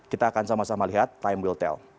kita akan sama sama lihat time will tail